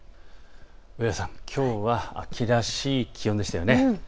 上原さん、きょうは秋らしい気温でしたよね。